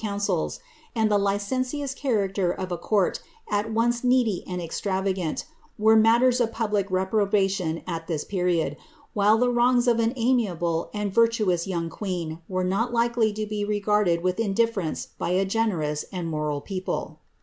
counsels, and tlie licentious character of a court at once needy and ex* travagant, were matters of public reprobation at this period, while the wrongs of an amiable and virtuous young queen were not likely to be regarded with indiflerence by a generous and moral people.